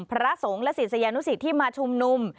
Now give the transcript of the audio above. พระสงฆ์และสิทธิ์สยานุสิทธิ์ที่มาชุมนุม